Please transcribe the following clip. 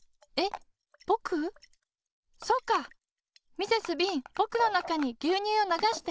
ミセス・ビンぼくのなかにぎゅうにゅうをながして。